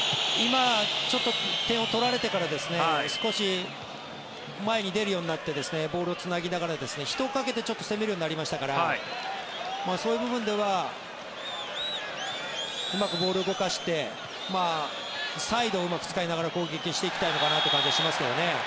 点を取られてから少し前に出るようになってボールをつなぎながら人をかけて攻めるようになりましたからそういう部分ではうまくボールを動かしてサイドをうまく使いながら攻撃していきたいのかなという感じがしますけどね。